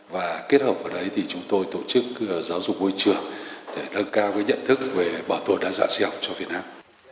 và kết hợp với đấy chúng tôi tổ chức giáo dục vô trường để đâng cao nhận thức về bảo tồn đa dạng sinh học cho việt nam